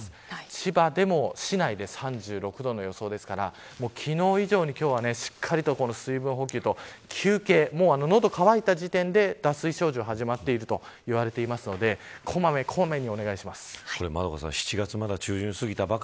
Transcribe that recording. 千葉でも市内で３６度の予想ですから昨日以上に今日はしっかりと水分補給と休憩喉が渇いた時点で、脱水症状が始まっているといわれているので小まめに小まめにお願いします。